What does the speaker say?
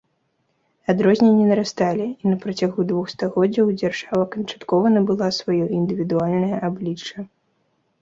Адрозненні нарасталі, і на працягу двух стагоддзяў дзяржава канчаткова набыла сваё індывідуальнае аблічча.